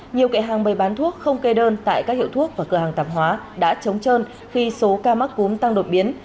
nhiều kệ hàng bày bán thuốc không kê đơn tại các hiệu thuốc và cửa hàng tạp hóa đã chống trơn khi số ca mắc cúm tăng đột biến